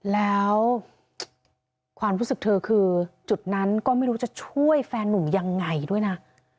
แล้วความรู้สึกเธอคือจุดนั้นก็ไม่รู้จะช่วยแฟนหนุ่มยังไงด้วยนะ